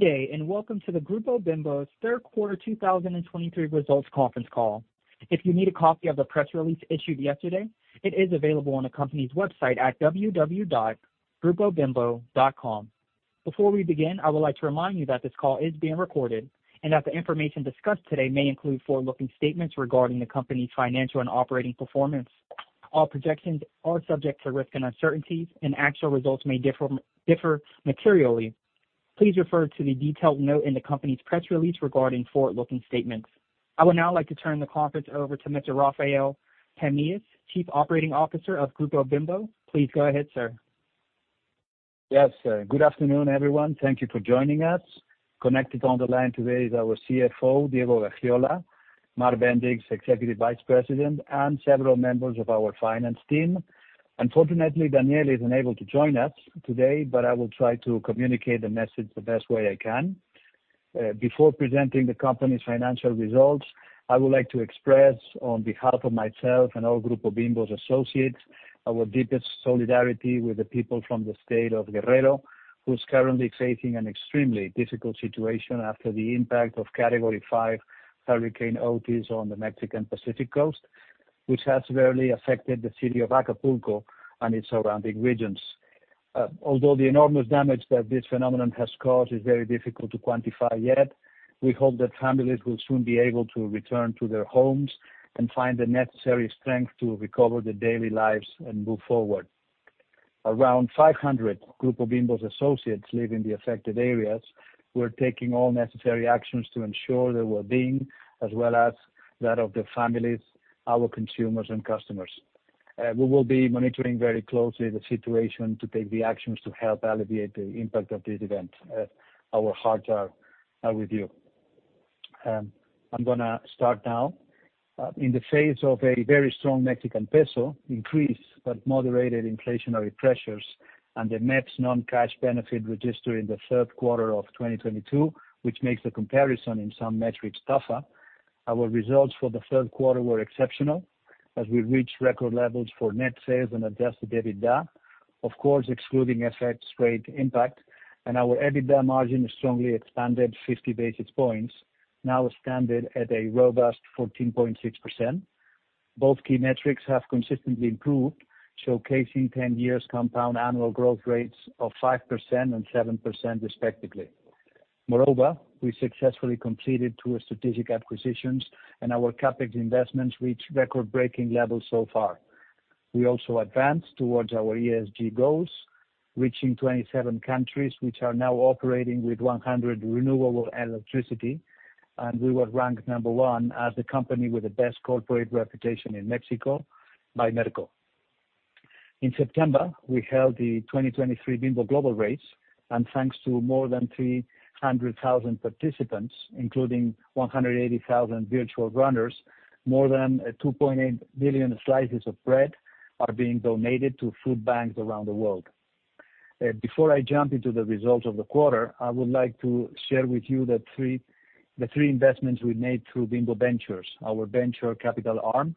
Good day, and welcome to the Grupo Bimbo's third quarter 2023 results conference call. If you need a copy of the press release issued yesterday, it is available on the company's website at www.grupobimbo.com. Before we begin, I would like to remind you that this call is being recorded, and that the information discussed today may include forward-looking statements regarding the company's financial and operating performance. All projections are subject to risk and uncertainties, and actual results may differ materially. Please refer to the detailed note in the company's press release regarding forward-looking statements. I would now like to turn the conference over to Mr. Rafael Pamias, Chief Operating Officer of Grupo Bimbo. Please go ahead, sir. Yes, good afternoon, everyone. Thank you for joining us. Connected on the line today is our CFO, Diego Gaxiola, Mark Bendix, Executive Vice President, and several members of our finance team. Unfortunately, Daniel is unable to join us today, but I will try to communicate the message the best way I can. Before presenting the company's financial results, I would like to express, on behalf of myself and all Grupo Bimbo's associates, our deepest solidarity with the people from the state of Guerrero, who's currently facing an extremely difficult situation after the impact of Category Five Hurricane Otis on the Mexican Pacific Coast, which has severely affected the city of Acapulco and its surrounding regions. Although the enormous damage that this phenomenon has caused is very difficult to quantify yet, we hope that families will soon be able to return to their homes and find the necessary strength to recover their daily lives and move forward. Around 500 Grupo Bimbo's associates live in the affected areas. We're taking all necessary actions to ensure their well-being, as well as that of their families, our consumers, and customers. We will be monitoring very closely the situation to take the actions to help alleviate the impact of this event. Our hearts are with you. I'm gonna start now. In the face of a very strong Mexican peso increase, but moderated inflationary pressures and the MEPPs non-cash benefit registered in the third quarter of 2022, which makes the comparison in some metrics tougher, our results for the third quarter were exceptional as we reached record levels for net sales and Adjusted EBITDA, of course, excluding FX rate impact, and our EBITDA margin strongly expanded 50 basis points, now standing at a robust 14.6%. Both key metrics have consistently improved, showcasing 10 years compound annual growth rates of 5% and 7%, respectively. Moreover, we successfully completed two strategic acquisitions, and our CapEx investments reached record-breaking levels so far. We also advanced towards our ESG goals, reaching 27 countries, which are now operating with 100% renewable electricity, and we were ranked number one as the company with the best corporate reputation in Mexico by Merco. In September, we held the 2023 Bimbo Global Race, and thanks to more than 300,000 participants, including 180,000 virtual runners, more than 2.8 billion slices of bread are being donated to food banks around the world. Before I jump into the results of the quarter, I would like to share with you the 3, the 3 investments we made through Bimbo Ventures, our venture capital arm,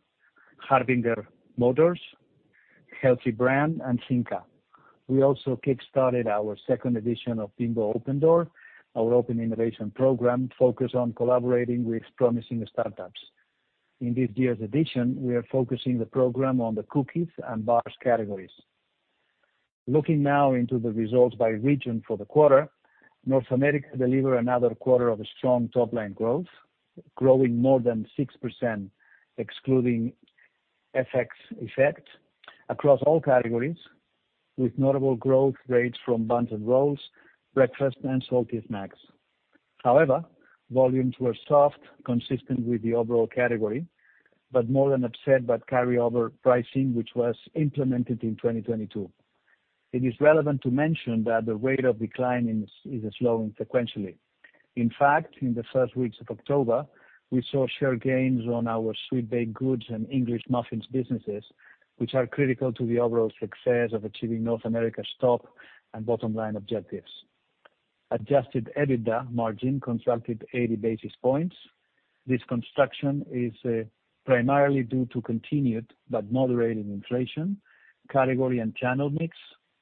Harbinger Motors, Healthy Brand, and Finca. We also kickstarted our second edition of Bimbo Open Door, our open innovation program focused on collaborating with promising startups. In this year's edition, we are focusing the program on the cookies and bars categories. Looking now into the results by region for the quarter, North America delivered another quarter of strong top-line growth, growing more than 6%, excluding FX effect, across all categories, with notable growth rates from buns and rolls, breakfast, and salty snacks. However, volumes were soft, consistent with the overall category, but more than upset by carryover pricing, which was implemented in 2022. It is relevant to mention that the rate of decline in, is slowing sequentially. In fact, in the first weeks of October, we saw share gains on our sweet baked goods and English muffins businesses, which are critical to the overall success of achieving North America's top and bottom line objectives. Adjusted EBITDA margin constructed 80 basis points. This construction is primarily due to continued but moderated inflation, category and channel mix,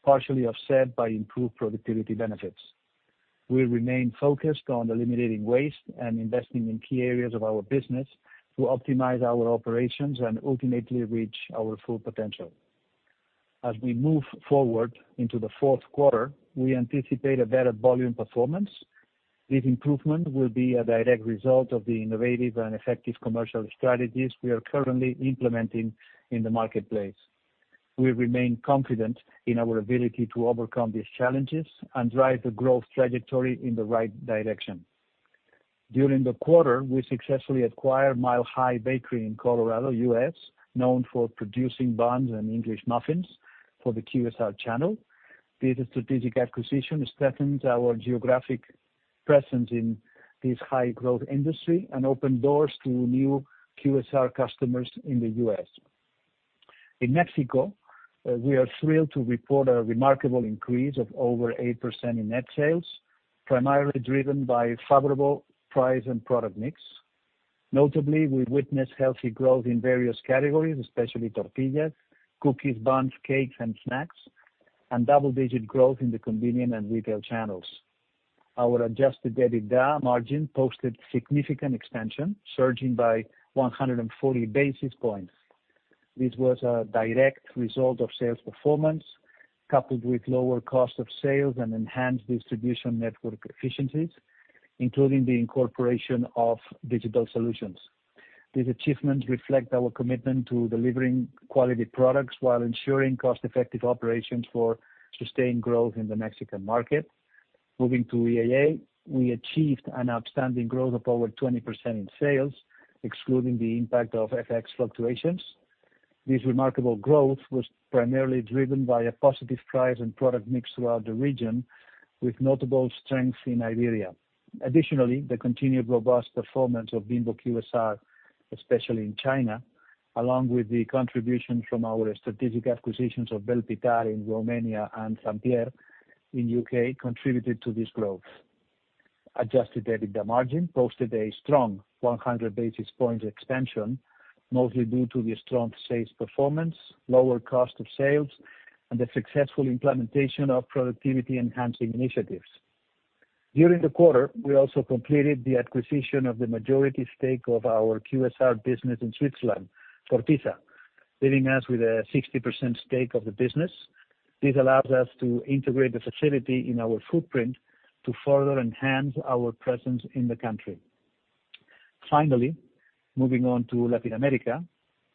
partially offset by improved productivity benefits. We remain focused on eliminating waste and investing in key areas of our business to optimize our operations and ultimately reach our full potential. As we move forward into the fourth quarter, we anticipate a better volume performance. This improvement will be a direct result of the innovative and effective commercial strategies we are currently implementing in the marketplace. We remain confident in our ability to overcome these challenges and drive the growth trajectory in the right direction. During the quarter, we successfully acquired Mile Hi Bakery in Colorado, U.S., known for producing buns and English muffins for the QSR channel. This strategic acquisition strengthens our geographic presence in this high-growth industry and open doors to new QSR customers in the U.S. In Mexico, we are thrilled to report a remarkable increase of over 8% in net sales, primarily driven by favorable price and product mix. Notably, we witnessed healthy growth in various categories, especially tortillas, cookies, buns, cakes, and snacks, and double-digit growth in the convenient and retail channels. Our adjusted EBITDA margin posted significant expansion, surging by 140 basis points. This was a direct result of sales performance, coupled with lower cost of sales and enhanced distribution network efficiencies, including the incorporation of digital solutions. These achievements reflect our commitment to delivering quality products while ensuring cost-effective operations for sustained growth in the Mexican market. Moving to EAA, we achieved an outstanding growth of over 20% in sales, excluding the impact of FX fluctuations. This remarkable growth was primarily driven by a positive price and product mix throughout the region, with notable strength in Iberia. Additionally, the continued robust performance of Bimbo QSR, especially in China, along with the contribution from our strategic acquisitions of Vel Pitar in Romania and St Pierre in UK, contributed to this growth. Adjusted EBITDA margin posted a strong 100 basis points expansion, mostly due to the strong sales performance, lower cost of sales, and the successful implementation of productivity-enhancing initiatives. During the quarter, we also completed the acquisition of the majority stake of our QSR business in Switzerland, Cottens, leaving us with a 60% stake of the business. This allows us to integrate the facility in our footprint to further enhance our presence in the country. Finally, moving on to Latin America,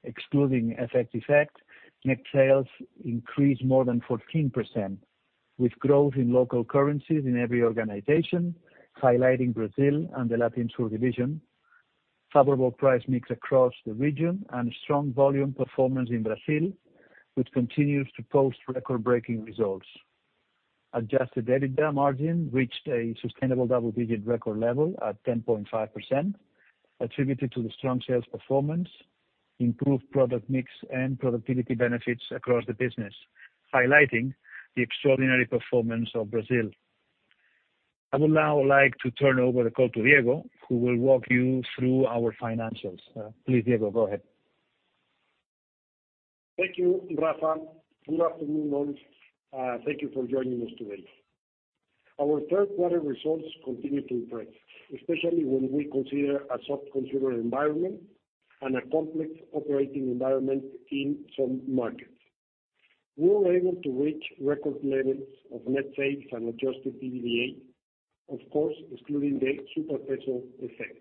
excluding FX effects, net sales increased more than 14%, with growth in local currencies in every organization, highlighting Brazil and the Latin Sur division, favorable price mix across the region, and strong volume performance in Brazil, which continues to post record-breaking results. Adjusted EBITDA margin reached a sustainable double-digit record level at 10.5%, attributed to the strong sales performance, improved product mix, and productivity benefits across the business, highlighting the extraordinary performance of Brazil. I would now like to turn over the call to Diego, who will walk you through our financials. Please, Diego, go ahead. Thank you, Rafa. Good afternoon, all. Thank you for joining us today. Our third quarter results continue to impress, especially when we consider a soft consumer environment and a complex operating environment in some markets. We were able to reach record levels of net sales and adjusted EBITDA, of course, excluding the super peso effect.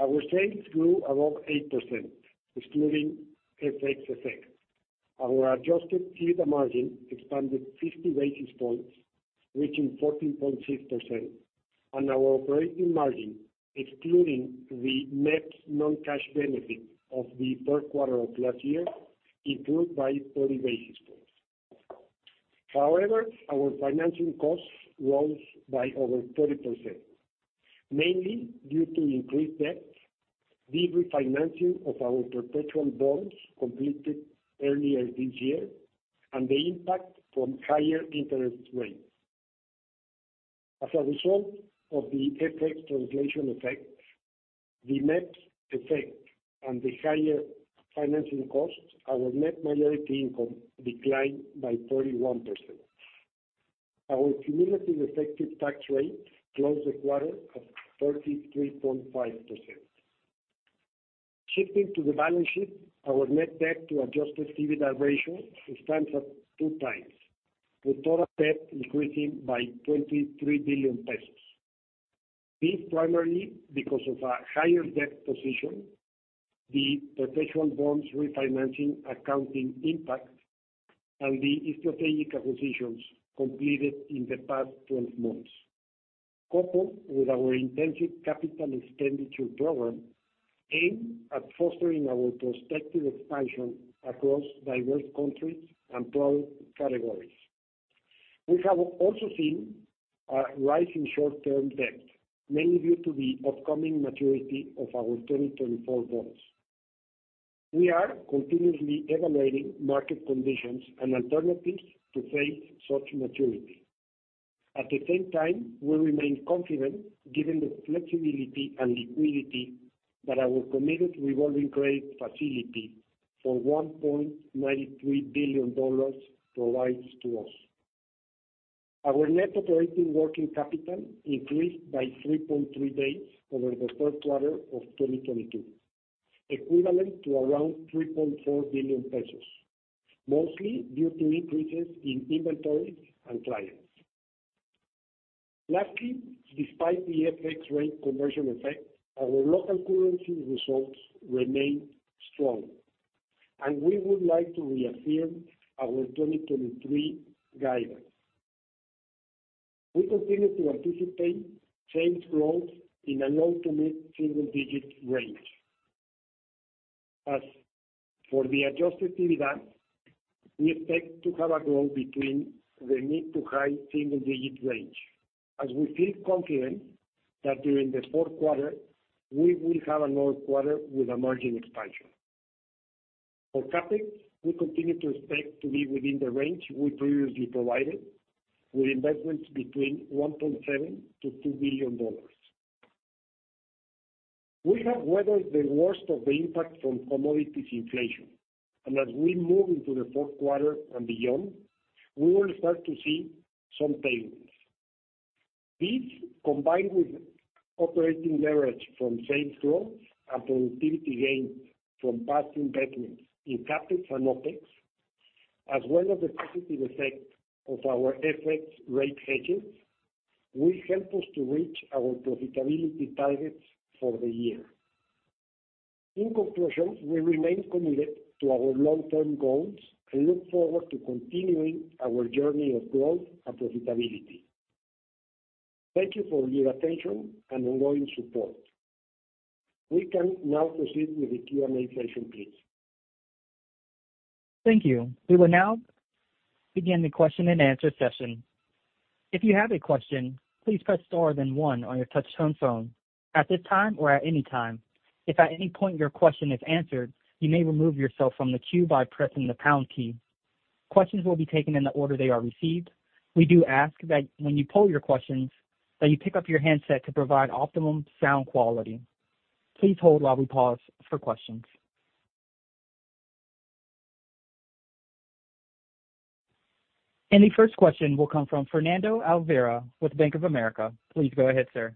Our sales grew above 8%, excluding FX effect. Our adjusted EBITDA margin expanded 50 basis points, reaching 14.6%, and our operating margin, excluding the net non-cash benefit of the third quarter of last year, improved by 30 basis points. However, our financing costs rose by over 30%, mainly due to increased debt, the refinancing of our perpetual bonds completed earlier this year, and the impact from higher interest rates. As a result of the FX translation effect, the net effect and the higher financing costs, our net majority income declined by 31%. Our cumulative effective tax rate closed the quarter at 33.5%. Shifting to the balance sheet, our net debt to adjusted EBITDA ratio stands at 2x, with total debt increasing by 23 billion pesos. This is primarily because of a higher debt position, the perpetual bonds refinancing accounting impact, and the strategic acquisitions completed in the past twelve months, coupled with our intensive capital expenditure program aimed at fostering our prospective expansion across diverse countries and product categories. We have also seen a rise in short-term debt, mainly due to the upcoming maturity of our 2024 bonds. We are continuously evaluating market conditions and alternatives to face such maturity. At the same time, we remain confident, given the flexibility and liquidity that our committed revolving credit facility for $1.93 billion provides to us. Our net operating working capital increased by 3.3 days over the third quarter of 2022, equivalent to around 3.4 billion pesos, mostly due to increases in inventory and clients. Lastly, despite the FX rate conversion effect, our local currency results remain strong, and we would like to reaffirm our 2023 guidance. We continue to anticipate sales growth in a low- to mid-single-digit range. As for the adjusted EBITDA, we expect to have a growth between the mid- to high-single-digit range, as we feel confident that during the fourth quarter, we will have another quarter with a margin expansion. For CapEx, we continue to expect to be within the range we previously provided, with investments between $1.7 billion-$2 billion. We have weathered the worst of the impact from commodities inflation, and as we move into the fourth quarter and beyond, we will start to see some tailwinds. These, combined with operating leverage from sales growth and productivity gains from past investments in CapEx and OpEx, as well as the positive effect of our FX rate hedges, will help us to reach our profitability targets for the year. In conclusion, we remain committed to our long-term goals and look forward to continuing our journey of growth and profitability. Thank you for your attention and ongoing support. We can now proceed with the Q&A session, please. Thank you. We will now begin the question-and-answer session. If you have a question, please press star then one on your touchtone phone at this time or at any time. If at any point your question is answered, you may remove yourself from the queue by pressing the pound key. Questions will be taken in the order they are received. We do ask that when you pose your questions, that you pick up your handset to provide optimum sound quality. Please hold while we pause for questions. The first question will come from Fernando Olvera with Bank of America. Please go ahead, sir.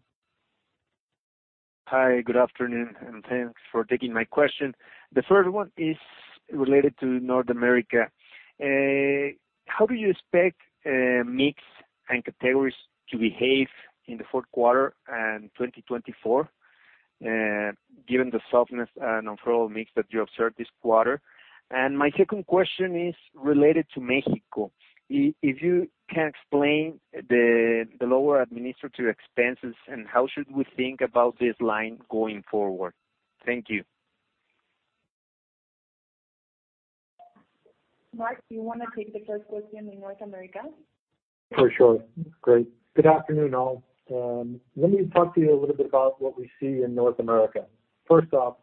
Hi, good afternoon, and thanks for taking my question. The first one is related to North America. How do you expect mix and categories to behave in the fourth quarter and 2024, given the softness and overall mix that you observed this quarter? My second question is related to Mexico. If you can explain the lower administrative expenses and how should we think about this line going forward? Thank you. Mark, do you want to take the first question in North America? For sure. Great. Good afternoon, all. Let me talk to you a little bit about what we see in North America. First off,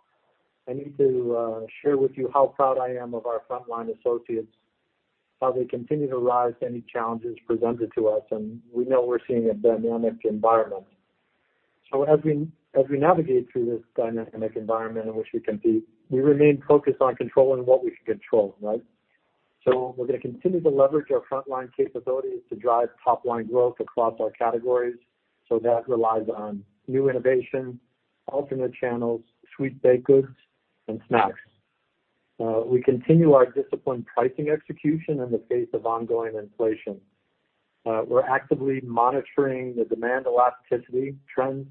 I need to share with you how proud I am of our frontline associates, how they continue to rise to any challenges presented to us, and we know we're seeing a dynamic environment. So as we navigate through this dynamic environment in which we compete, we remain focused on controlling what we can control, right? So we're gonna continue to leverage our frontline capabilities to drive top-line growth across our categories. So that relies on new innovation, alternate channels, sweet baked goods, and snacks. We continue our disciplined pricing execution in the face of ongoing inflation. We're actively monitoring the demand elasticity trends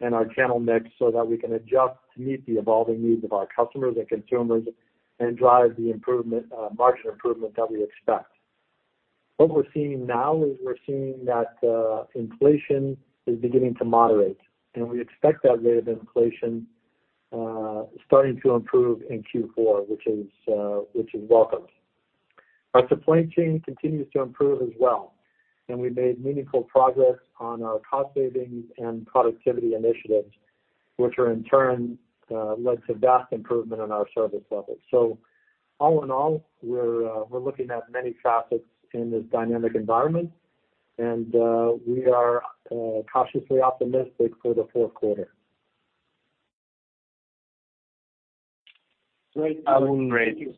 and our channel mix so that we can adjust to meet the evolving needs of our customers and consumers and drive the improvement, margin improvement that we expect. What we're seeing now is we're seeing that inflation is beginning to moderate, and we expect that rate of inflation starting to improve in Q4, which is welcomed. Our supply chain continues to improve as well, and we made meaningful progress on our cost savings and productivity initiatives, which are in turn led to vast improvement in our service levels. So all in all, we're looking at many topics in this dynamic environment, and we are cautiously optimistic for the fourth quarter. Great. Thank you.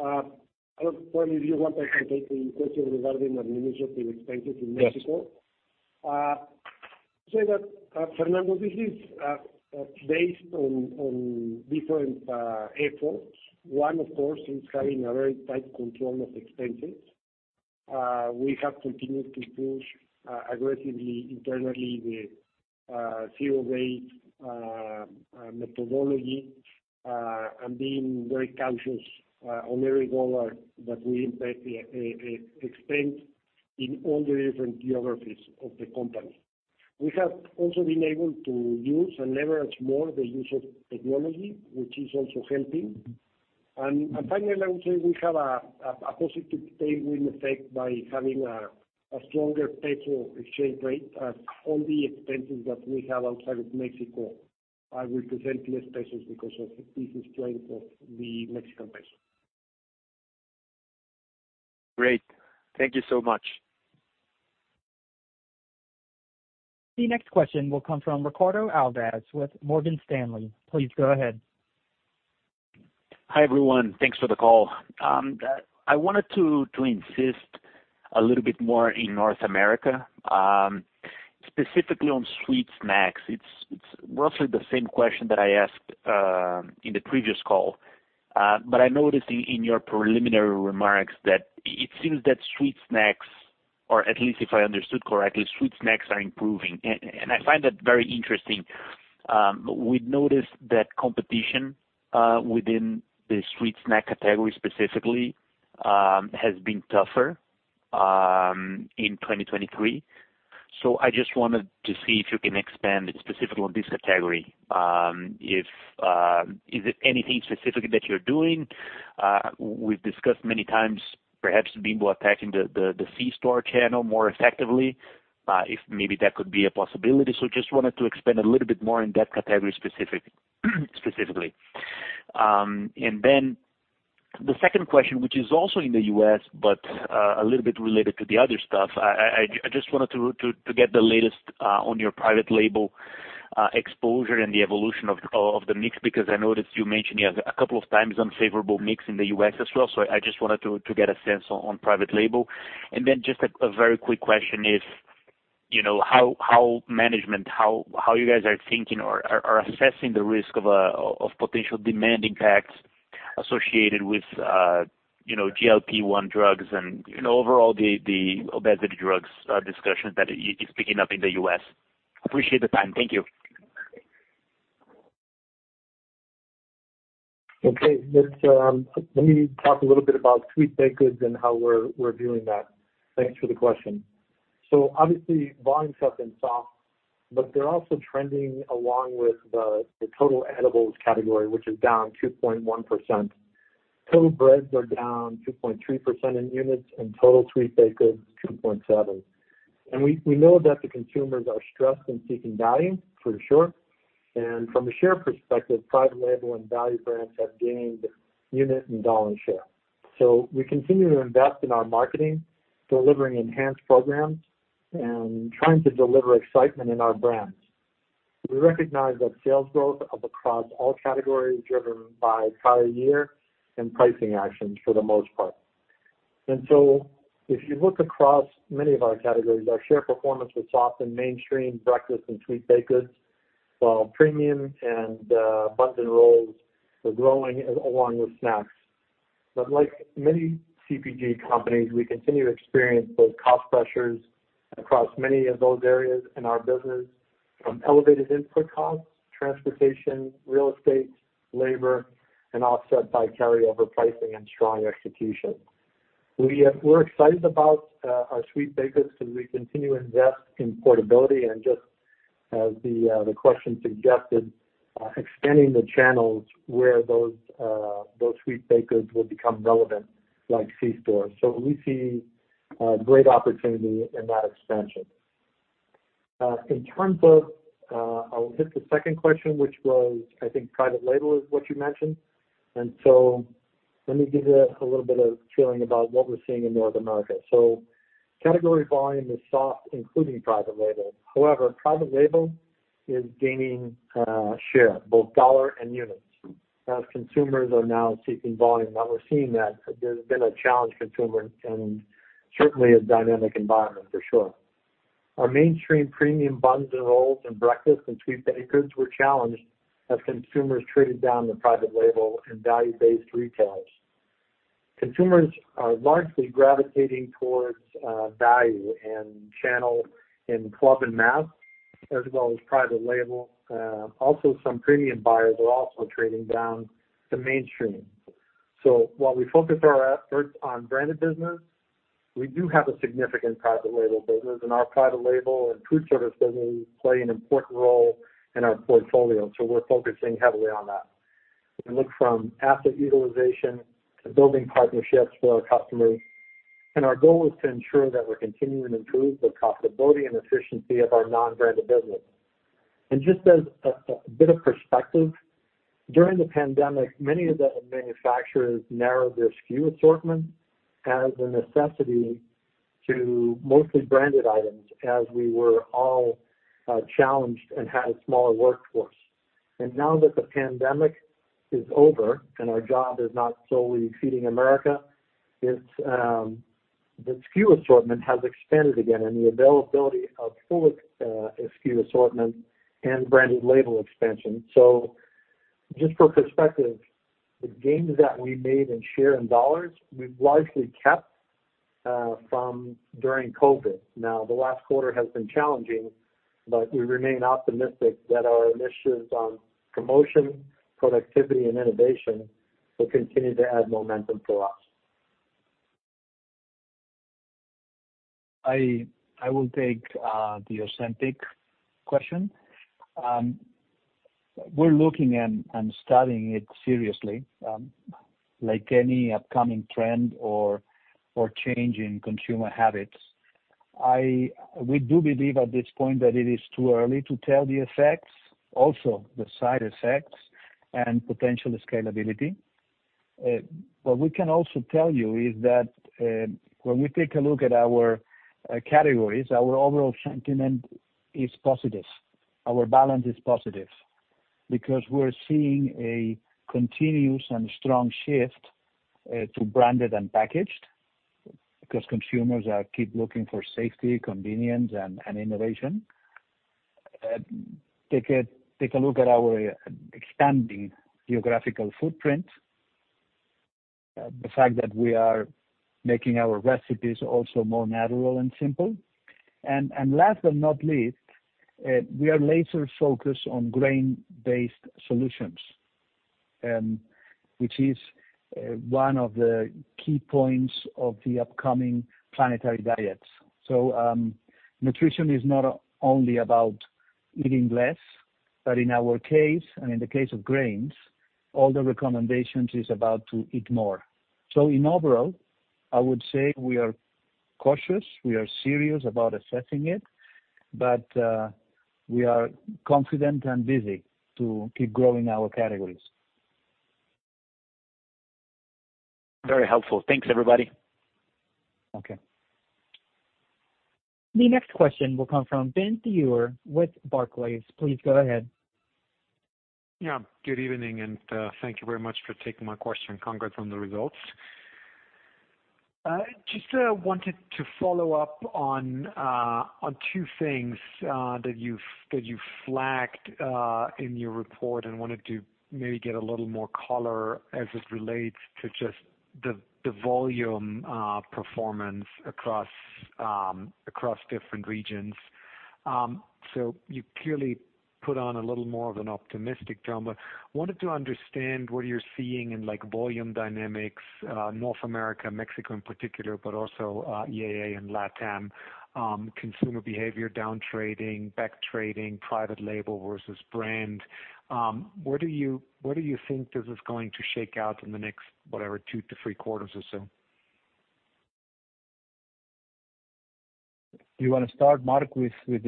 If you want, I can take the question regarding administrative expenses in Mexico. Yes. So, that, Fernando, this is based on different efforts. One, of course, is having a very tight control of expenses. We have continued to push aggressively, internally, the zero-based methodology, and being very cautious on every dollar that we invest, expend in all the different geographies of the company. We have also been able to use and leverage more the use of technology, which is also helping. And finally, I would say we have a positive tailwind effect by having a stronger peso exchange rate. All the expenses that we have outside of Mexico are represented in pesos because of the strength of the Mexican peso. Great. Thank you so much. The next question will come from Ricardo Alves with Morgan Stanley. Please go ahead. Hi, everyone. Thanks for the call. I wanted to insist a little bit more in North America, specifically on sweet snacks. It's roughly the same question that I asked in the previous call. But I noticed in your preliminary remarks that it seems that sweet snacks, or at least if I understood correctly, sweet snacks are improving. And I find that very interesting. We've noticed that competition within the sweet snack category specifically has been tougher in 2023. So I just wanted to see if you can expand specifically on this category. Is it anything specific that you're doing? We've discussed many times, perhaps Bimbo attacking the C-store channel more effectively, if maybe that could be a possibility. So just wanted to expand a little bit more in that category, specific, specifically. And then the second question, which is also in the U.S., but a little bit related to the other stuff. I just wanted to get the latest on your private label exposure and the evolution of the mix, because I noticed you mentioned a couple of times unfavorable mix in the U.S. as well. So I just wanted to get a sense on private label. And then just a very quick question is, you know, how management, how you guys are thinking or are assessing the risk of potential demand impacts associated with, you know, GLP-1 drugs and, you know, overall the obesity drugs discussions that is picking up in the U.S. Appreciate the time. Thank you. Okay, let's, let me talk a little bit about sweet baked goods and how we're, we're doing that. Thanks for the question. So obviously, volume has been soft, but they're also trending along with the, the total edibles category, which is down 2.1%. Total breads are down 2.3% in units, and total sweet baked goods, 2.7. And we, we know that the consumers are stressed and seeking value, for sure. And from a share perspective, private label and value brands have gained unit and dollar share. So we continue to invest in our marketing, delivering enhanced programs and trying to deliver excitement in our brands. We recognize that sales growth are across all categories, driven by prior year and pricing actions for the most part. So if you look across many of our categories, our share performance was soft in mainstream breakfast and sweet baked goods, while premium and buns and rolls are growing along with snacks. But like many CPG companies, we continue to experience both cost pressures across many of those areas in our business, from elevated input costs, transportation, real estate, labor, and offset by carryover pricing and strong execution. We're excited about our sweet baked goods because we continue to invest in portability and just as the question suggested, extending the channels where those sweet baked goods will become relevant, like C-stores. So we see great opportunity in that expansion. In terms of, I'll hit the second question, which was, I think, private label is what you mentioned. And so let me give you a little bit of feeling about what we're seeing in North America. So category volume is soft, including private label. However, private label is gaining share, both dollar and units, as consumers are now seeking volume. Now we're seeing that there's been a challenge for consumers and certainly a dynamic environment for sure. Our mainstream premium buns and rolls and breakfast and sweet baked goods were challenged as consumers traded down to private label and value-based retailers. Consumers are largely gravitating towards value and channel in club and mass, as well as private label. Also, some premium buyers are also trading down to mainstream. So while we focus our efforts on branded business, we do have a significant private label business, and our private label and food service business play an important role in our portfolio. So we're focusing heavily on that. We look from asset utilization to building partnerships with our customers, and our goal is to ensure that we continue to improve the profitability and efficiency of our non-branded business. And just as a bit of perspective, during the pandemic, many of the manufacturers narrowed their SKU assortment as a necessity to mostly branded items as we were all challenged and had a smaller workforce. And now that the pandemic is over and our job is not solely feeding America, it's the SKU assortment has expanded again, and the availability of full SKU assortment and branded label expansion. So just for perspective, the gains that we made in share and dollars, we've largely kept from during COVID. Now, the last quarter has been challenging, but we remain optimistic that our initiatives on promotion, productivity, and innovation will continue to add momentum for us. I, I will take the authentic question. We're looking and studying it seriously, like any upcoming trend or change in consumer habits. We do believe at this point that it is too early to tell the effects, also the side effects and potential scalability. What we can also tell you is that, when we take a look at our categories, our overall sentiment is positive. Our balance is positive, because we're seeing a continuous and strong shift to branded and packaged, because consumers keep looking for safety, convenience, and innovation. Take a look at our expanding geographical footprint, the fact that we are making our recipes also more natural and simple. Last but not least, we are laser-focused on grain-based solutions, which is one of the key points of the upcoming planetary diets. So, nutrition is not only about eating less. But in our case, and in the case of grains, all the recommendations is about to eat more. So in overall, I would say we are cautious, we are serious about assessing it, but we are confident and busy to keep growing our categories. Very helpful. Thanks, everybody. Okay. The next question will come from Ben Theurer with Barclays. Please go ahead. Yeah, good evening, and thank you very much for taking my question. Congrats on the results. Just wanted to follow up on two things that you flagged in your report, and wanted to maybe get a little more color as it relates to just the volume performance across different regions. So you clearly put on a little more of an optimistic tone, but wanted to understand what you're seeing in, like, volume dynamics, North America, Mexico in particular, but also EAA and LATAM, consumer behavior, down trading, back trading, private label versus brand. Where do you think this is going to shake out in the next, whatever, two to three quarters or so? You wanna start, Mark, with the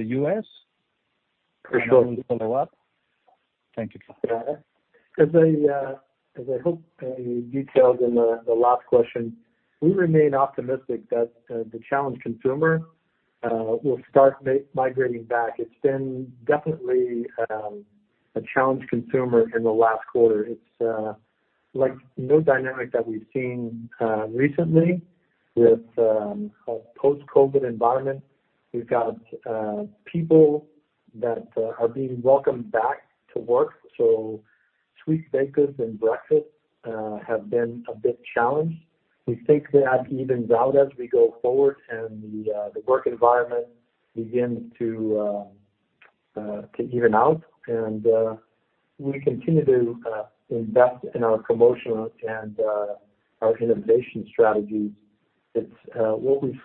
US? For sure. Follow up. Thank you. As I hope I detailed in the last question, we remain optimistic that the challenged consumer will start migrating back. It's been definitely a challenged consumer in the last quarter. It's like no dynamic that we've seen recently with a post-COVID environment. We've got people that are being welcomed back to work, so sweet bakers and breakfast have been a bit challenged. We think that evened out as we go forward and the work environment begins to even out, and we continue to invest in our promotional and our innovation strategies. It's what we've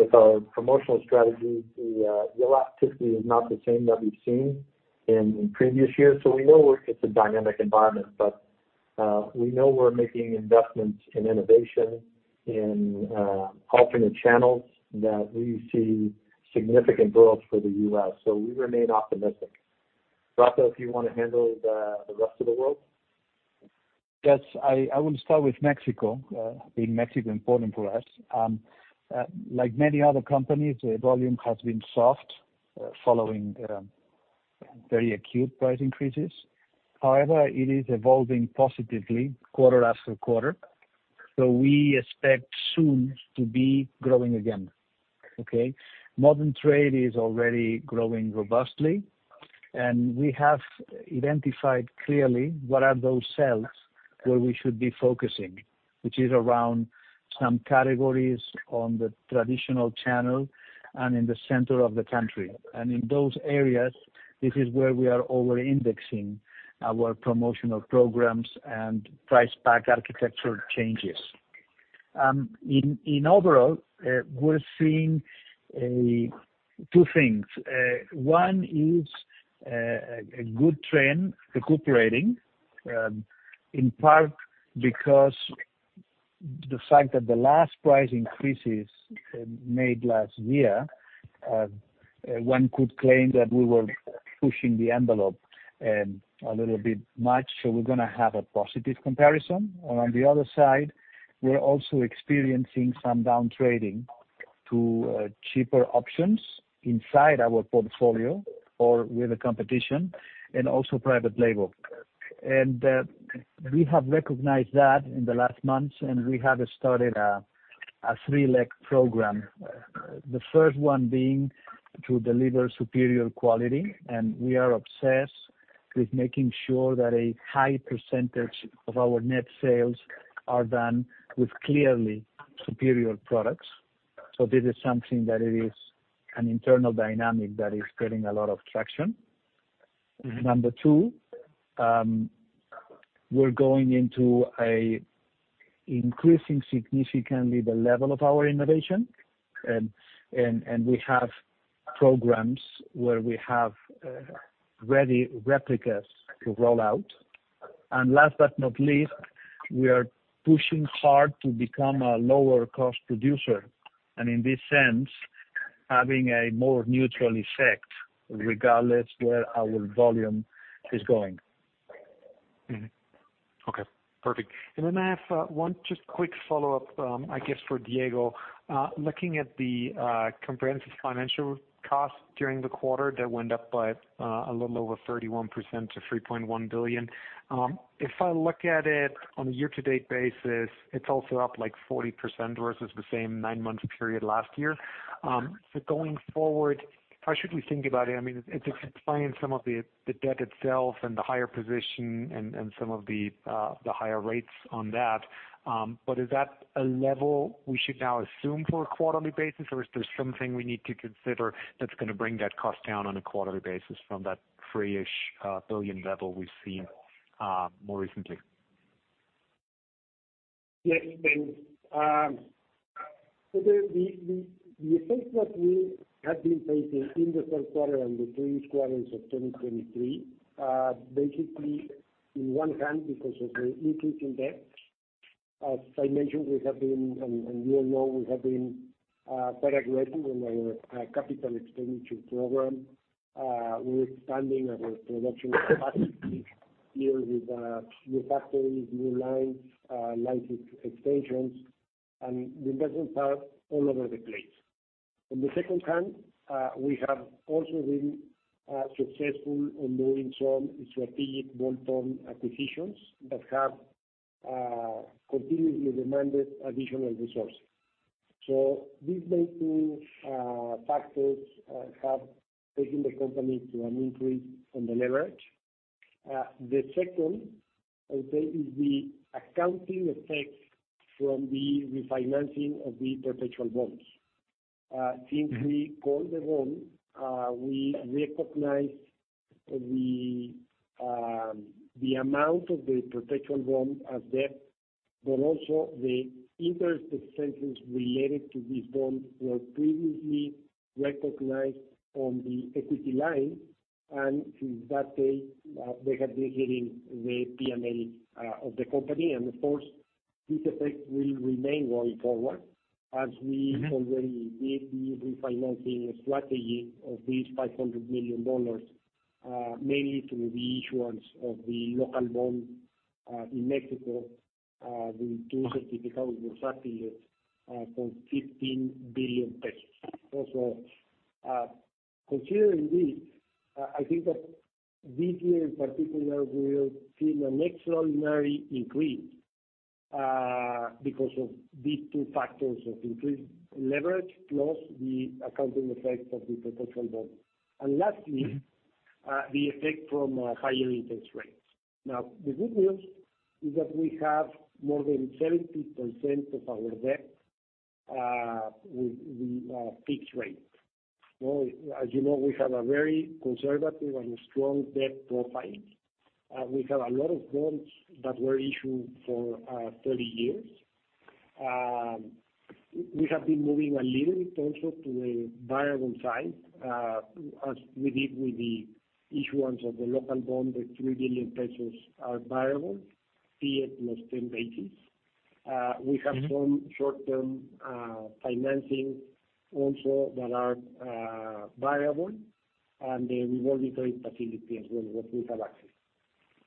seen with our promotional strategy, the elasticity is not the same that we've seen in previous years. So we know it's a dynamic environment, but we know we're making investments in innovation, in alternate channels, that we see significant growth for the U.S., so we remain optimistic. Rocco, if you wanna handle the rest of the world? Yes, I will start with Mexico, being Mexico important for us. Like many other companies, the volume has been soft, following very acute price increases. However, it is evolving positively quarter after quarter, so we expect soon to be growing again, okay? Modern trade is already growing robustly, and we have identified clearly what are those sales where we should be focusing, which is around some categories on the traditional channel and in the center of the country. And in those areas, this is where we are over-indexing our promotional programs and price pack architectural changes. In overall, we're seeing two things. One is a good trend recuperating in part because the fact that the last price increases made last year. One could claim that we were pushing the envelope a little bit much, so we're gonna have a positive comparison. On the other side, we're also experiencing some down trading to cheaper options inside our portfolio or with the competition and also private label. And we have recognized that in the last months, and we have started a three-leg program. The first one being to deliver superior quality, and we are obsessed with making sure that a high percentage of our net sales are done with clearly superior products. So this is something that it is an internal dynamic that is getting a lot of traction. 2, we're going into a increasing significantly the level of our innovation, and we have programs where we have ready replicas to roll out. And last but not least, we are pushing hard to become a lower cost producer, and in this sense, having a more neutral effect regardless where our volume is going. Mm-hmm. Okay, perfect. And then I have one just quick follow-up, I guess for Diego. Looking at the comprehensive financial cost during the quarter, that went up by a little over 31% to 3.1 billion. If I look at it on a year-to-date basis, it's also up, like, 40% versus the same nine-month period last year. So going forward, how should we think about it? I mean, it explains some of the debt itself and the higher position and some of the higher rates on that. But is that a level we should now assume for a quarterly basis, or is there something we need to consider that's gonna bring that cost down on a quarterly basis from that three-ish billion level we've seen more recently? Yes, thanks. So the effect that we have been facing in the third quarter and the three quarters of 2023, basically on one hand, because of the increase in debt. As I mentioned, we have been, and you all know, we have been very aggressive in our capital expenditure program. We're expanding our production capacity here with new factories, new lines, line extensions, and investments are all over the place. On the second hand, we have also been successful in doing some strategic bolt-on acquisitions that have continually demanded additional resources. So these two factors have taken the company to an increase on the leverage. The second, I would say, is the accounting effect from the refinancing of the perpetual bonds. Since we called the bond, we recognized the amount of the perpetual bond as debt, but also the interest expenses related to these bonds were previously recognized on the equity line, and since that day, they have been hitting the P&L of the company. Of course, this effect will remain going forward, as we already did the refinancing strategy of these $500 million, mainly through the issuance of the local bond in Mexico, the two certificates with the facilities from 15 billion pesos. Also, considering this, I think that this year in particular, we will see an extraordinary increase because of these two factors of increased leverage plus the accounting effect of the perpetual bond. Lastly, the effect from higher interest rates. Now, the good news is that we have more than 70% of our debt with the fixed rate. Well, as you know, we have a very conservative and strong debt profile. We have a lot of bonds that were issued for 30 years. We have been moving a little bit also to a variable side, as we did with the issuance of the local bond, the 3 billion pesos are variable, TIIE plus 10 basis. We have some short-term financing also that are variable, and the revolving credit facility as well, that we have access.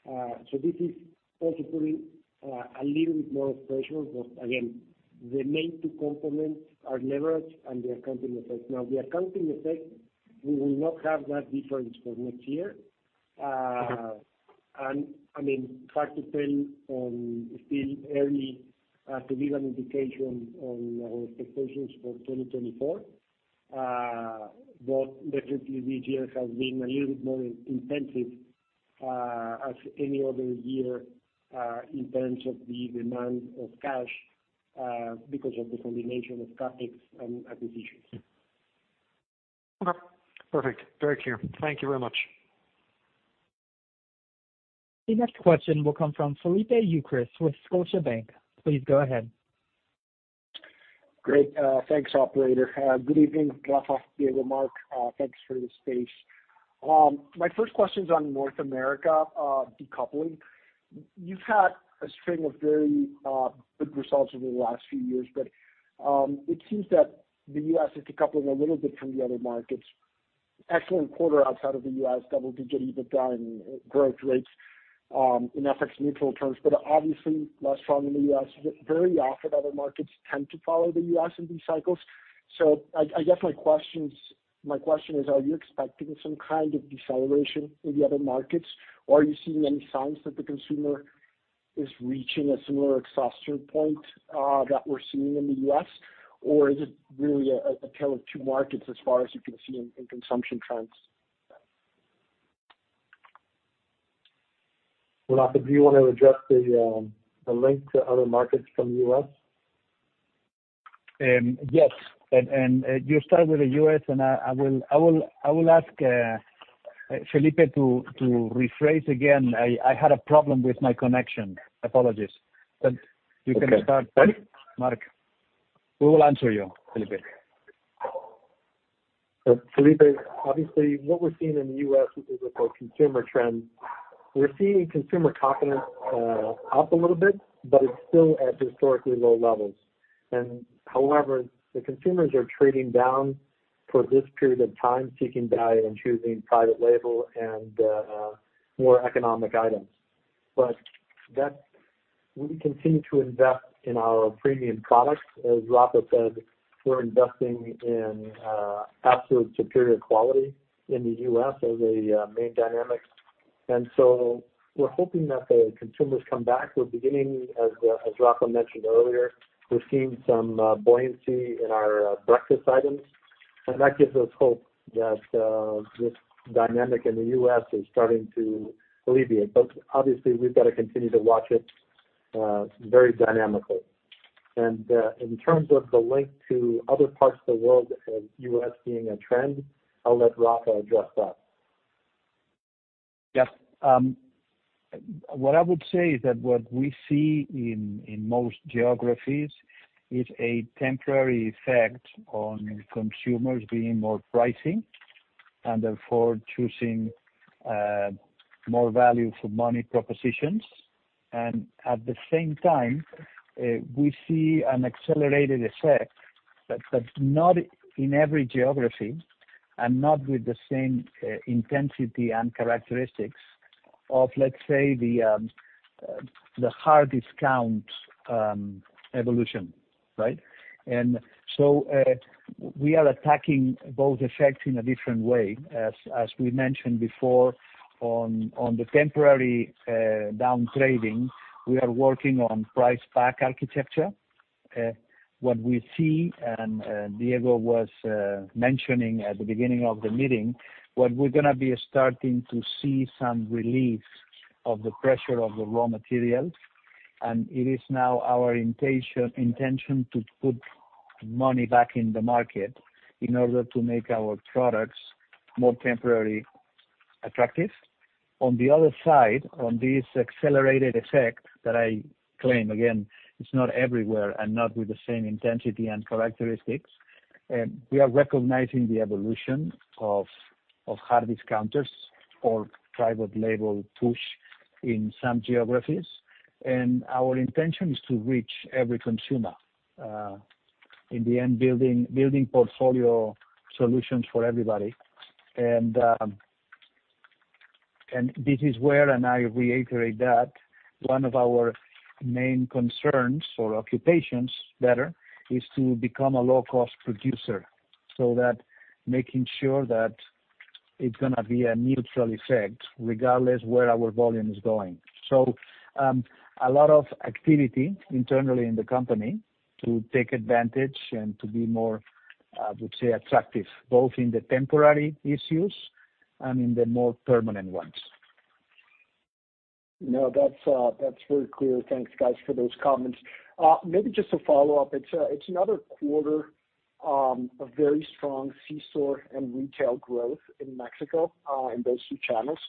So this is also putting a little bit more pressure. But again, the main two components are leverage and the accounting effect. Now, the accounting effect, we will not have that difference for next year. And I mean, truth to tell, it's still early to give an indication on our expectations for 2024. But definitely, this year has been a little bit more intensive as any other year in terms of the demand of cash because of the combination of CapEx and acquisitions. Okay, perfect. Very clear. Thank you very much. The next question will come from Felipe Ucros with Scotiabank. Please go ahead. Great, thanks, operator. Good evening, Rafa and Mark. Thanks for the space. My first question is on North America, decoupling. You've had a string of very good results over the last few years, but it seems that the U.S. is decoupling a little bit from the other markets. Excellent quarter outside of the U.S., double-digit EBITDA and growth rates, in FX neutral terms, but obviously less strong in the U.S. Very often, other markets tend to follow the U.S. in these cycles. So I, I guess my questions, my question is, are you expecting some kind of deceleration in the other markets, or are you seeing any signs that the consumer is reaching a similar exhaustion point that we're seeing in the U.S.? Or is it really a tale of two markets as far as you can see in consumption trends? Rafa, do you want to address the link to other markets from the U.S.? Yes, and you start with the US, and I will ask Felipe to rephrase again. I had a problem with my connection. Apologies. But you can start, Mark. We will answer you, Felipe. So Felipe, obviously, what we're seeing in the U.S. in terms of consumer trends, we're seeing consumer confidence up a little bit, but it's still at historically low levels. And however, the consumers are trading down for this period of time, seeking value and more economic items. But that. We continue to invest in our premium products. As Rafa said, we're investing in absolute superior quality in the U.S. as a main dynamic. And so we're hoping that the consumers come back. We're beginning, as Rafa mentioned earlier, we're seeing some buoyancy in our breakfast items, and that gives us hope that this dynamic in the U.S. is starting to alleviate. But obviously, we've got to continue to watch it very dynamically. In terms of the link to other parts of the world, as U.S. being a trend, I'll let Rafa address that. Yes. What I would say is that what we see in most geographies is a temporary effect on consumers being more pricing, and therefore choosing more value for money propositions. And at the same time, we see an accelerated effect, but not in every geography and not with the same intensity and characteristics of, let's say, the hard discount evolution, right? And so, we are attacking both effects in a different way. As we mentioned before, on the temporary downgrading, we are working on price pack architecture. What we see, and Diego was mentioning at the beginning of the meeting, what we'regannna be starting to see some relief of the pressure of the raw materials, and it is now our intention, intention to put money back in the market in order to make our products more temporarily attractive. On the other side, on this accelerated effect that I claim, again, it's not everywhere and not with the same intensity and characteristics, we are recognizing the evolution of hard discounters or private label push in some geographies, and our intention is to reach every consumer, in the end, building, building portfolio solutions for everybody. This is where, and I reiterate that, one of our main concerns or occupations, better, is to become a low-cost producer, so that making sure that it's gonna be a neutral effect regardless where our volume is going. So, a lot of activity internally in the company to take advantage and to be more, I would say, attractive, both in the temporary issues and in the more permanent ones. No, that's, that's very clear. Thanks, guys, for those comments. Maybe just a follow-up. It's, it's another quarter of very strong C-store and retail growth in Mexico, in those two channels.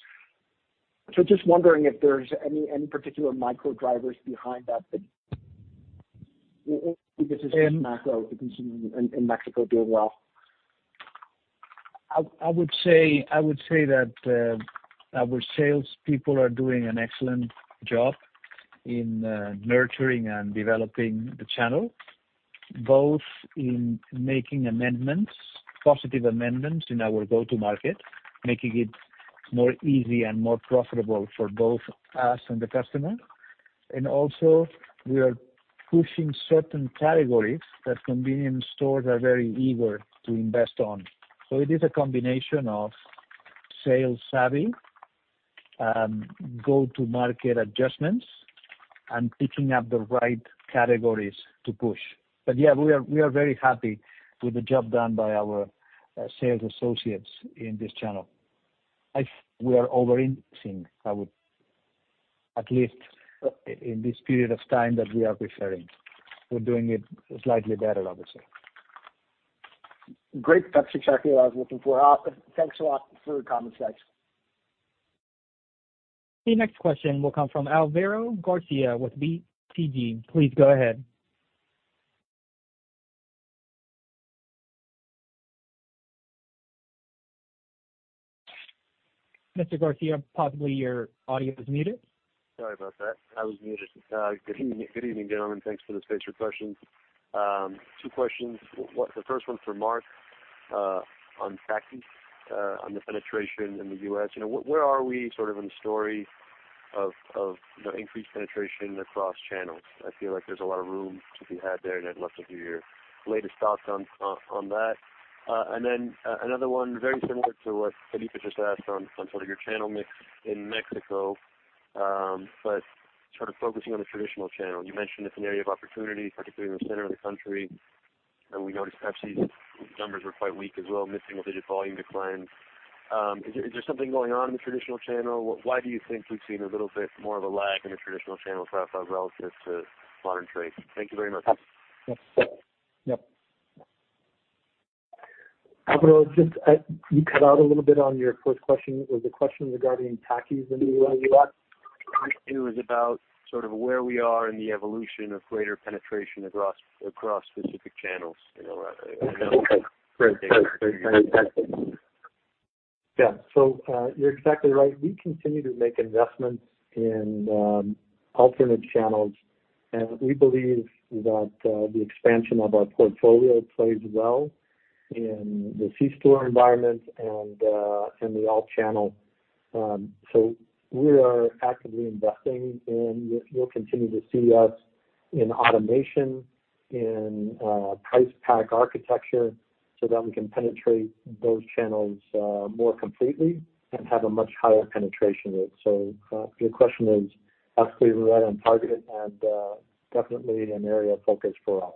So just wondering if there's any particular micro drivers behind that? Or if this is just macro, the consumer in Mexico doing well. I would say that our salespeople are doing an excellent job in nurturing and developing the channel, both in making amendments, positive amendments in our go-to-market, making it more easy and more profitable for both us and the customer. And also, we are pushing certain categories that convenience stores are very eager to invest on. So it is a combination of sales savvy, go-to-market adjustments, and picking up the right categories to push. But yeah, we are very happy with the job done by our sales associates in this channel. We are over-indexing. At least in this period of time that we are referring. We're doing it slightly better, obviously. Great. That's exactly what I was looking for. Awesome. Thanks a lot for the comments, guys. The next question will come from Álvaro García with BTG. Please go ahead. Mr. García, possibly your audio is muted. Sorry about that. I was muted. Good evening, good evening, gentlemen. Thanks for the space for questions. Two questions. What, the first one's for Mark, on Takis, on the penetration in the U.S. You know, where are we sort of in the story of, of, you know, increased penetration across channels? I feel like there's a lot of room to be had there, and I'd love to hear your latest thoughts on, on, on that. And then, another one, very similar to what Felipe just asked on, on sort of your channel mix in Mexico, but sort of focusing on the traditional channel. You mentioned it's an area of opportunity, particularly in the center of the country, and we noticed Pepsi's numbers were quite weak as well, mid-single-digit volume decline. Is there, is there something going on in the traditional channel? Why do you think we've seen a little bit more of a lag in the traditional channel profile relative to modern trade? Thank you very much. Yep. Álvaro, just, you cut out a little bit on your first question. Was the question regarding Takis in the U.S.? It was about sort of where we are in the evolution of greater penetration across specific channels. You know, Yeah. So, you're exactly right. We continue to make investments in alternate channels, and we believe that the expansion of our portfolio plays well in the C-store environment and in the all channel. So we are actively investing, and you'll continue to see us in automation, in price pack architecture, so that we can penetrate those channels more completely and have a much higher penetration rate. So your question is absolutely right on target and definitely an area of focus for us.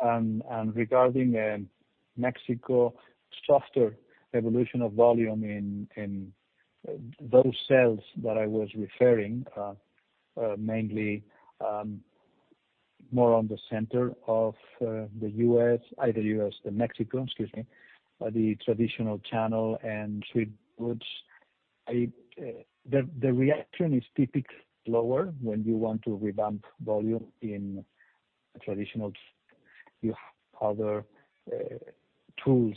And regarding Mexico, softer evolution of volume in those sales that I was referring, mainly more on the center of the US, either US and Mexico, excuse me, the traditional channel and sweet goods. The reaction is typically lower when you want to revamp volume in traditional. You have other tools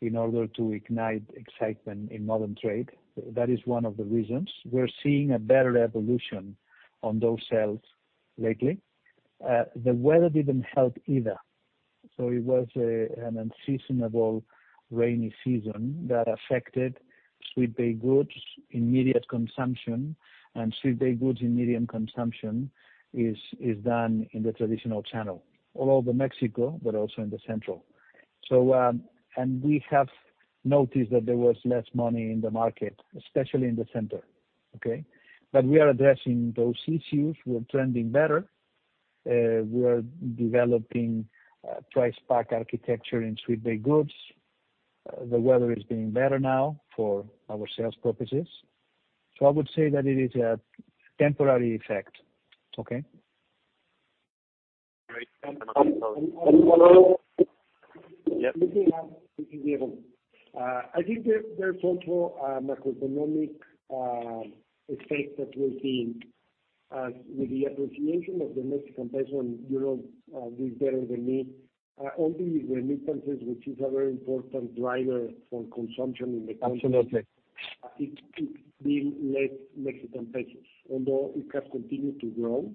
in order to ignite excitement in modern trade. That is one of the reasons. We're seeing a better evolution on those sales lately. The weather didn't help either, so it was an unseasonable rainy season that affected sweet baked goods, immediate consumption, and sweet baked goods in medium consumption is done in the traditional channel, all over Mexico, but also in the central. And we have noticed that there was less money in the market, especially in the center, okay? But we are addressing those issues. We are trending better, we are developing price pack architecture in sweet baked goods. The weather is being better now for our sales purposes, so I would say that it is a temporary effect. Okay? Great. I think there's also a macroeconomic effect that we're seeing with the appreciation of the Mexican peso and euro, which is better than me. All these remittances, which is a very important driver for consumption in the country. Absolutely. It being less Mexican pesos, although it has continued to grow,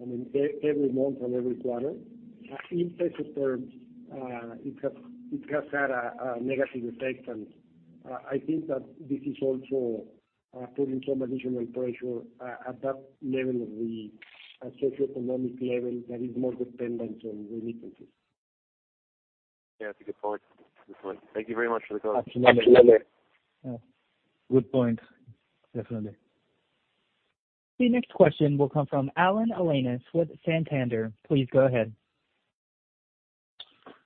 I mean, every month and every quarter, in peso terms, it has had a negative effect. And I think that this is also putting some additional pressure at that level of the socioeconomic level that is more dependent on remittances. Yeah, that's a good point. Thank you very much for the call. Absolutely. Absolutely. Yeah, good point. Definitely. The next question will come from Alan Alanis with Santander. Please go ahead.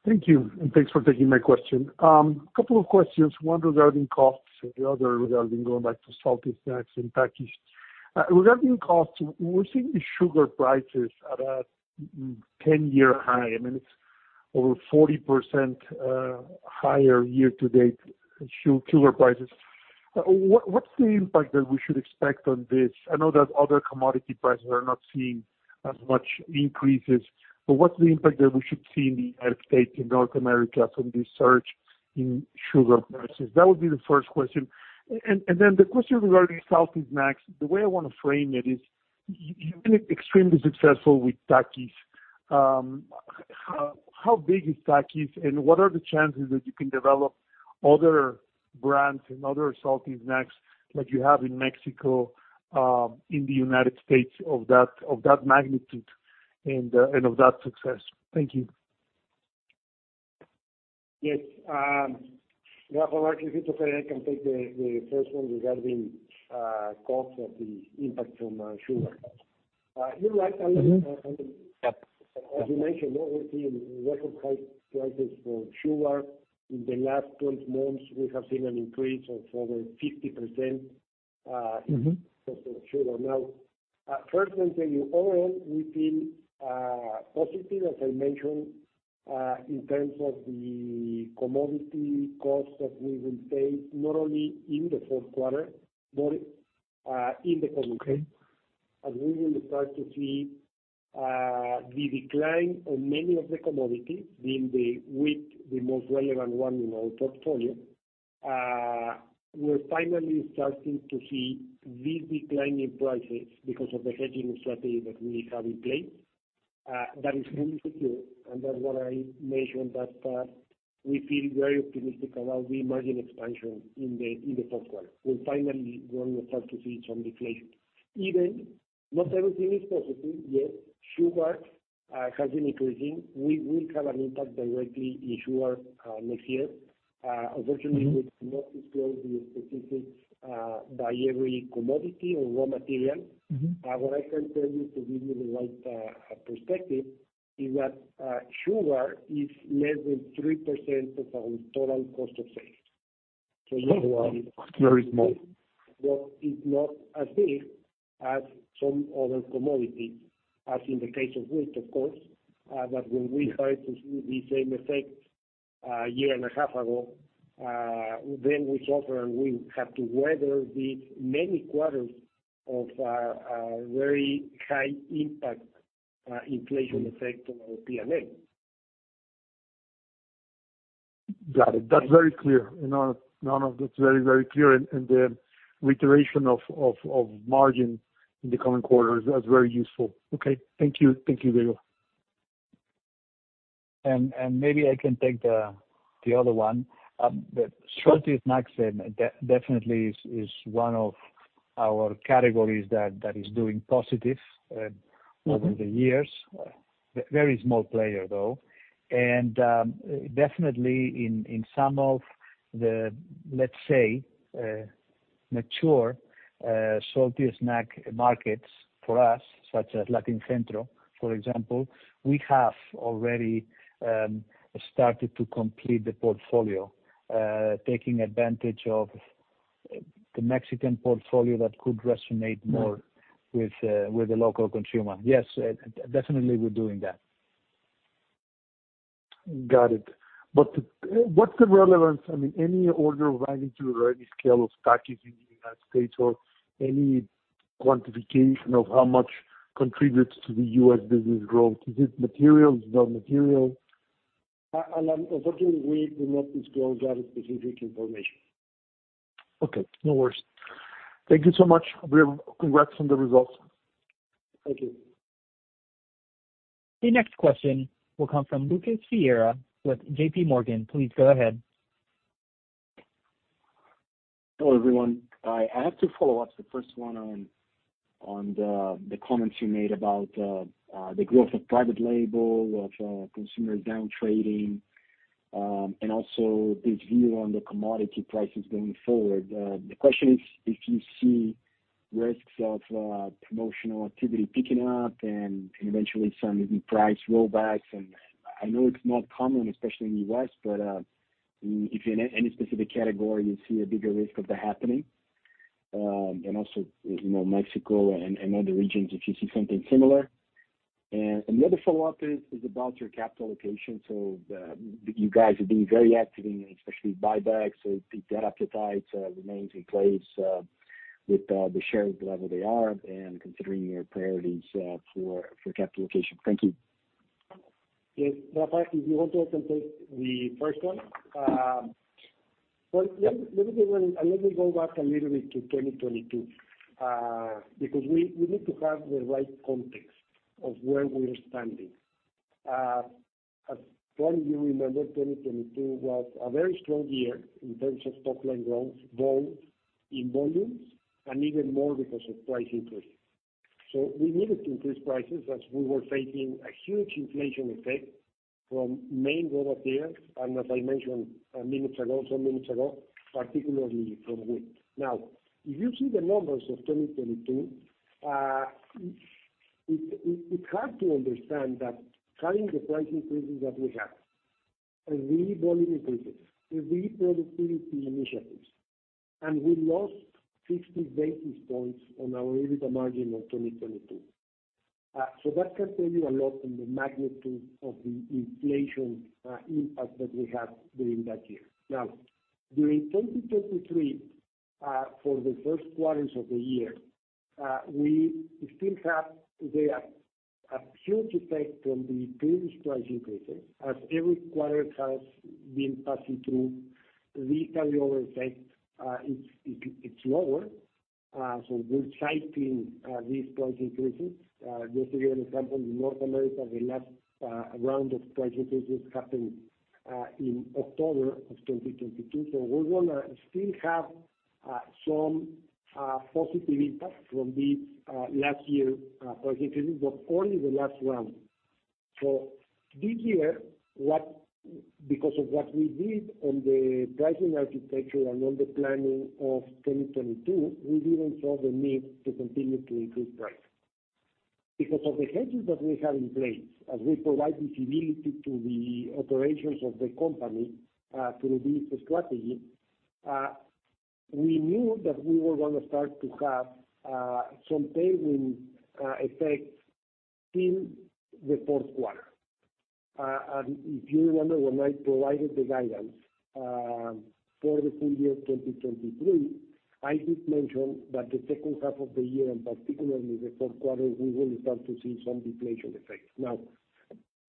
Thank you, and thanks for taking my question. Couple of questions, one regarding costs and the other regarding going back to salty snacks and Takis. Regarding costs, we're seeing the sugar prices at a 10-year high. I mean, it's over 40%, higher year to date, sugar prices. What, what's the impact that we should expect on this? I know that other commodity prices are not seeing as much increases, but what's the impact that we should see in the United States, in North America, from this surge in sugar prices? That would be the first question. And then the question regarding salty snacks, the way I wanna frame it is, you've been extremely successful with Takis. How big is Takis, and what are the chances that you can develop other brands and other salty snacks that you have in Mexico, in the United States of that magnitude and of that success? Thank you. Yes, Rafael, if you prefer, I can take the first one regarding cost of the impact from sugar. You're right, Alan. Mm-hmm. Yep. As you mentioned, we're seeing record high prices for sugar. In the last 12 months, we have seen an increase of over 50%. Mm-hmm Of sugar. Now, first let me tell you, overall, we feel positive, as I mentioned, in terms of the commodity costs that we will pay, not only in the fourth quarter, but in the coming quarter. Okay. As we will start to see, the decline on many of the commodities, being the wheat, the most relevant one in our portfolio, we're finally starting to see the decline in prices because of the hedging strategy that we have in place. That is going to secure, and that's what I mentioned, that, we feel very optimistic about the margin expansion in the, in the fourth quarter. We're finally going to start to see some deflation. Even not everything is positive, yet sugar, has been increasing. We will have an impact directly in sugar, next year. Unfortunately- Mm-hmm We cannot disclose the specifics, by every commodity or raw material. Mm-hmm. What I can tell you to give you the right perspective is that sugar is less than 3% of our total cost of sales. So in other words- Very small. Well, it's not as big as some other commodities, as in the case of wheat, of course. But when we started to see the same effect a year and a half ago, then we suffer, and we have to weather the many quarters of a very high impact inflation effect on our P&L. Got it. That's very clear. No, no, that's very, very clear, and the reiteration of margin in the coming quarter is. That's very useful. Okay. Thank you. Thank you, Diego. Maybe I can take the other one. The salty snacks definitely is one of our categories that is doing positive over the years. Mm-hmm. Very small player, though, and definitely in some of the, let's say, mature salty snack markets for us, such as Latin Centro, for example, we have already started to complete the portfolio, taking advantage of the Mexican portfolio that could resonate more with the local consumer. Yes, definitely we're doing that. Got it. But what's the relevance, I mean, any order of magnitude or any scale of stock in the United States, or any quantification of how much contributes to the U.S. business growth? Is it material, not material? Alan, unfortunately, we do not disclose that specific information. Okay, no worries. Thank you so much. Congrats on the results. Thank you. The next question will come from Lucas Ferreira with JPMorgan. Please go ahead. Hello, everyone. I have two follow-ups, the first one on the comments you made about the growth of private label, of consumers downtrading, and also this view on the commodity prices going forward. The question is, if you see risks of promotional activity picking up and eventually some price rollbacks, and I know it's not common, especially in the U.S., but if in any specific category, you see a bigger risk of that happening? And also, you know, Mexico and other regions, if you see something similar. And another follow-up is about your capital allocation. So you guys have been very active in, especially buybacks, so the debt appetite remains in place with the shared level they are, and considering your priorities for capital allocation. Thank you. Yes, Rafael, if you want to, I can take the first one. Well, let me go back a little bit to 2022, because we need to have the right context of where we are standing. As probably you remember, 2022 was a very strong year in terms of top line growth, both in volumes and even more because of price increase. So we needed to increase prices as we were facing a huge inflation effect from main raw materials, and as I mentioned minutes ago, particularly from wheat. Now, if you see the numbers of 2022, you have to understand that having the price increases that we had, and we volume increases, we productivity initiatives, and we lost 50 basis points on our EBITDA margin on 2022. So that can tell you a lot in the magnitude of the inflation impact that we had during that year. Now, during 2023, for the first quarters of the year, we still have a huge effect from the previous price increases. As every quarter has been passing through, the carryover effect, it's lower. So we're pricing these price increases. Just to give you an example, in North America, the last round of price increases happened in October of 2022. So we're gonna still have some positive impact from the last year price increases, but only the last round. So this year, because of what we did on the pricing architecture and on the planning of 2022, we didn't saw the need to continue to increase price. Because of the hedges that we have in place, as we provide visibility to the operations of the company, through this strategy, we knew that we were gonna start to have some tailwind effects in the fourth quarter. And if you remember, when I provided the guidance for the full year 2023, I did mention that the second half of the year, and particularly the fourth quarter, we will start to see some deflation effects. Now,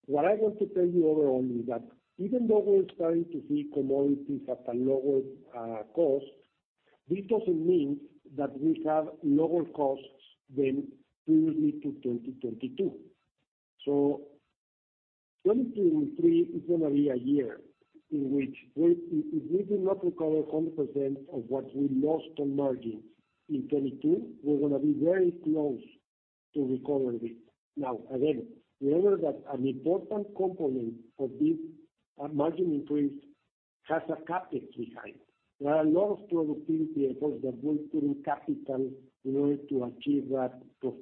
what I want to tell you overall is that even though we're starting to see commodities at a lower cost, this doesn't mean that we have lower costs than previously to 2022. So 2023 is gonna be a year in which we, if we do not recover 100% of what we lost on margins in 2022, we're gonna be very close to recover this. Now, again, remember that an important component of this, margin increase has a CapEx behind. There are a lot of productivity efforts that will put in capital in order to achieve that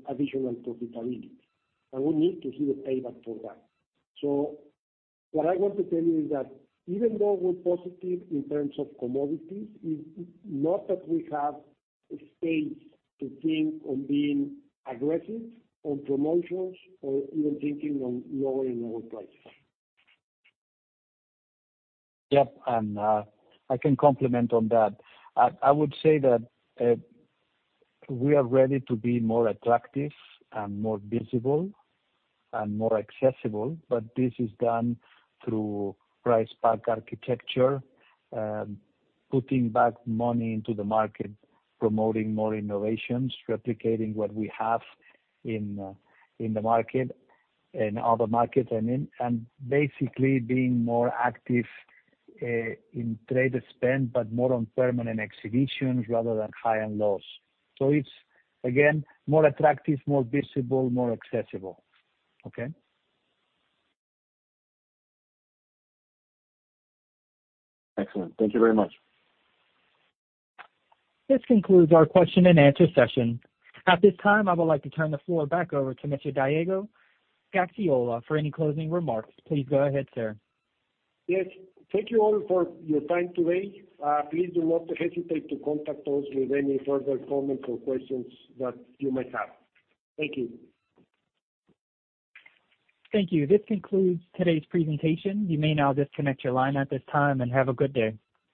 additional profitability, and we need to see the payback for that. So what I want to tell you is that even though we're positive in terms of commodities, it's not that we have space to think on being aggressive on promotions or even thinking on lowering our prices. Yep, and I can comment on that. I would say that we are ready to be more attractive and more visible and more accessible, but this is done through price pack architecture, putting back money into the market, promoting more innovations, replicating what we have in the market, and other markets. And basically being more active in trade spend, but more on permanent exhibitions rather than highs and lows. So it's, again, more attractive, more visible, more accessible. Okay? Excellent. Thank you very much. This concludes our question and answer session. At this time, I would like to turn the floor back over to Mr. Diego Gaxiola for any closing remarks. Please go ahead, sir. Yes. Thank you all for your time today. Please do not hesitate to contact us with any further comments or questions that you might have. Thank you. Thank you. This concludes today's presentation. You may now disconnect your line at this time, and have a good day.